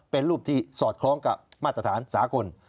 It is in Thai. เป็นรูปที่สอดคล้องกับมาตรฐานสากล